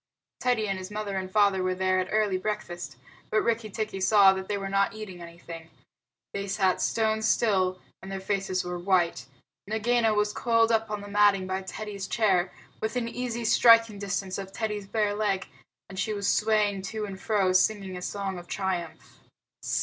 Teddy and his mother and father were there at early breakfast, but Rikki tikki saw that they were not eating anything. They sat stone still, and their faces were white. Nagaina was coiled up on the matting by Teddy's chair, within easy striking distance of Teddy's bare leg, and she was swaying to and fro, singing a song of triumph.